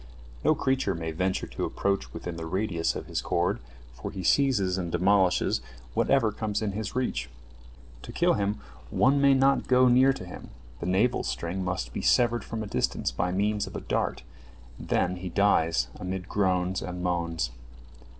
No creature may venture to approach within the radius of his cord, for he seizes and demolishes whatever comes in his reach. To kill him, one may not go near to him, the navel string must be severed from a distance by means of a dart, and then he dies amid groans and moans.